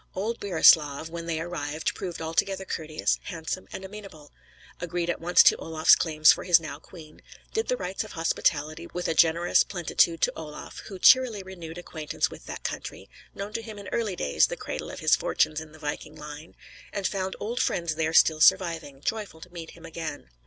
Old Burislav, when they arrived, proved altogether courteous, handsome, and amenable; agreed at once to Olaf's claims for his now queen, did the rites of hospitality with a generous plenitude to Olaf; who cheerily renewed acquaintance with that country, known to him in early days (the cradle of his fortunes in the viking line), and found old friends there still surviving, joyful to meet him again.